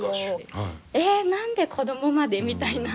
え何で子供までみたいな。